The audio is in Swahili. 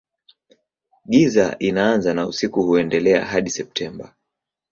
Giza inaanza na usiku huendelea hadi Septemba.